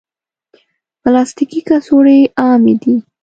پلاستيکي کڅوړې عامې دي.